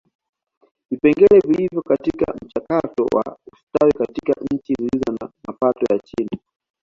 Vipengele vilivyo katika mchakato wa ustawi katika nchi zilizo na mapato ya chini